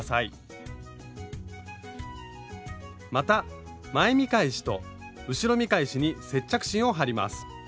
また前見返しと後ろ見返しに接着芯を貼ります。